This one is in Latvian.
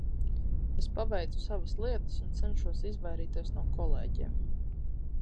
Es paveicu savas lietas un cenšos izvairīties no kolēģiem.